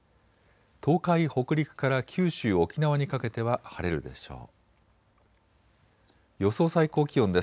東海・北陸から九州・沖縄にかけては晴れるでしょう。